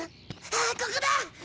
ああここだ！